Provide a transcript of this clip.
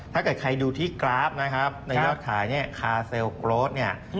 ถ้าเกิดใครดูที่กราฟนะครับในยอดขายคาร์เซลล์โกรส